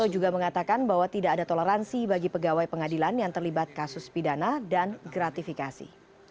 juga mengatakan bahwa tidak ada toleransi bagi pegawai pengadilan yang terlibat kasus pidana dan gratifikasi